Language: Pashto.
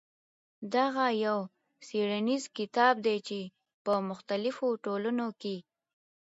دغه يو څېړنيز کتاب دى چې په مختلفو ټولنو کې.